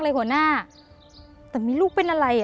นั้นได้ไหมครับพอน